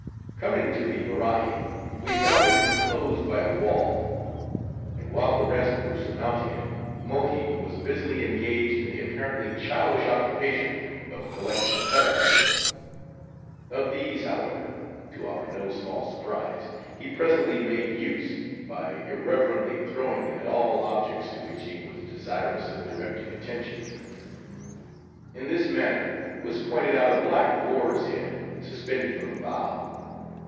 Coming to the Morai, we found it inclosed by a wall; and while the rest were surmounting it, Mohi was busily engaged in the apparently childish occupation of collecting pebbles. Of these, however, to our no small surprise, he presently made use, by irreverently throwing them at all objects to which he was desirous of directing attention. In this manner, was pointed out a black boar's head, suspended from a bough.